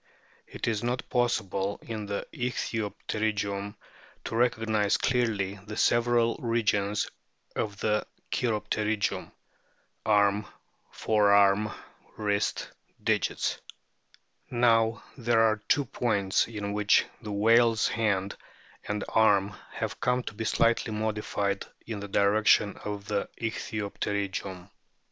It is not possible in the ichthyopterygium to recog nise clearly the several regions of the cheiropterygium arm, forearm, wrist, digits. Now there are two points in which the whale's hand and arm have come to be slightly modified in the direction of the Ichthyopterygium.